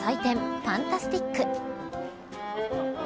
パンタスティック。